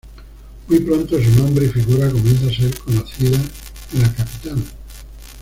Muy pronto su nombre y figura comienza a ser conocida en la capital.